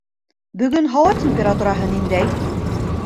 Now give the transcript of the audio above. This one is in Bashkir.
Бөгөн һауа температураһы ниндәй?